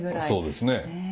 そうですね。